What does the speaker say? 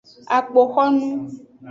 Akpoxonu.